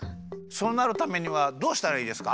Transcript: そうなるためにはどうしたらいいですか？